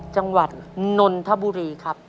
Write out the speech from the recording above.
จังหวัดนนทบุรีครับ